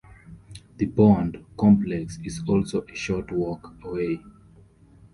"The Bond" complex is also a short walk away.